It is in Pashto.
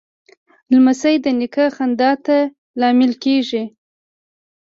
لمسی د نیکه خندا ته لامل کېږي.